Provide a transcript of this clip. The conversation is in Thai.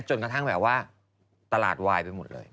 จนกระทั่งแบบว่าตลาดวายไปหมดเลย